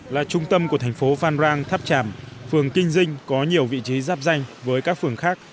là trung tâm của thành phố phan rang tháp tràm phường kinh dinh có nhiều vị trí giáp danh với các phường khác